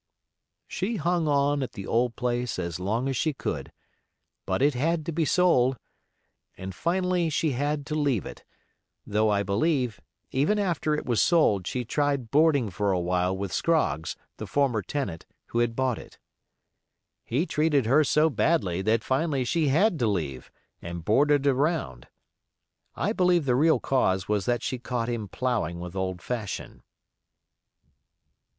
She hung on at the old place as long as she could, but it had to be sold, and finally she had to leave it; though, I believe, even after it was sold she tried boarding for a while with Scroggs, the former tenant, who had bought it. He treated her so badly that finally she had to leave, and boarded around. I believe the real cause was she caught him ploughing with old Fashion.